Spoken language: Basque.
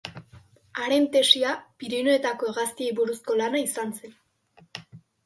Haren tesia Pirinioetako hegaztiei buruzko lana izan zen.